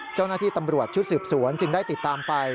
เจ้าหน้าที่ตำรวจชุดสืบสวนจึงได้ติดตามไป